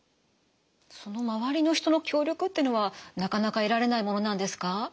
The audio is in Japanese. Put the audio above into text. その周りの人の協力ってのはなかなか得られないものなんですか？